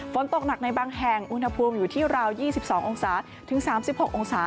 ฝนตกหนักในบางแห่งอุณหภูมิอยู่ที่ราว๒๒องศาถึง๓๖องศา